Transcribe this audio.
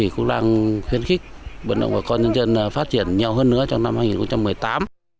cũng đang khuyến khích vận động bà con nhân dân phát triển nhiều hơn nữa trong năm hai nghìn một mươi tám